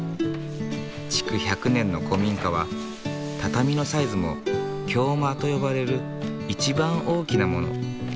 築１００年の古民家は畳のサイズも京間と呼ばれる一番大きなもの。